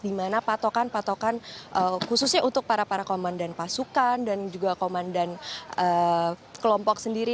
di mana patokan patokan khususnya untuk para para komandan pasukan dan juga komandan kelompok sendiri